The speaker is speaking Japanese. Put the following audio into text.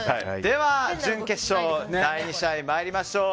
準決勝、第２試合参りましょう。